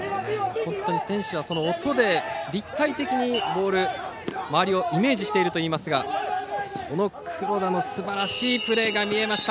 本当に選手は音で立体的に周りをイメージしているといいますがその黒田のすばらしいプレーが見えました。